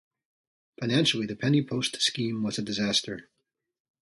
Financially, the penny post scheme was a disaster.